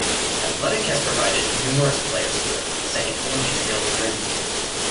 Athletic has provided numerous players for it, second only to Real Madrid.